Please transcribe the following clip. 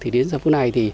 đến giờ phút này